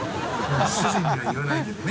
主人には言わないけどね。